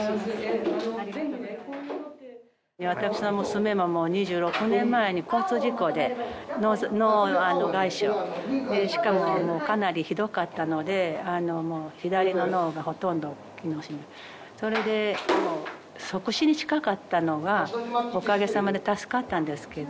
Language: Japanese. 私の娘も２６年前に交通事故で脳外傷でしかももうかなりひどかったのでもう左の脳がほとんど機能しないそれでもう即死に近かったのがおかげさまで助かったんですけど